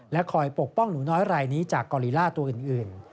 คอยปกป้องหนูน้อยรายนี้จากกอลิล่าตัวอื่น